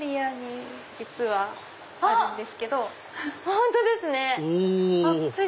本当ですね。